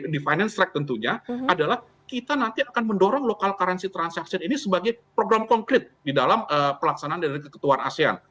di finance track tentunya adalah kita nanti akan mendorong local currency transaction ini sebagai program konkret di dalam pelaksanaan dari keketuan asean